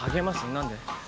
何で？